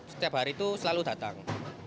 setiap hari itu selalu datang